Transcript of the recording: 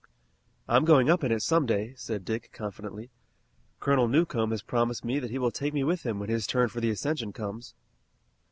"I'm going up in it some day," said Dick, confidently. "Colonel Newcomb has promised me that he will take me with him when his turn for the ascension comes."